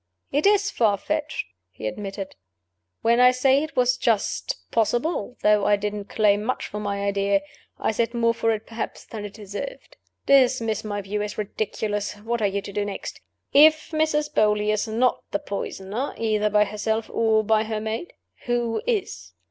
"It is far fetched," he admitted. "When I said it was just possible though I didn't claim much for my idea I said more for it perhaps than it deserved. Dismiss my view as ridiculous; what are you to do next? If Mrs. Beauly is not the poisoner (either by herself or by her maid), who is?